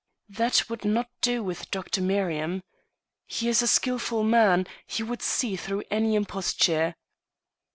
"That would not do with Dr. Merriam. He is a skilful man; he would see through any imposture."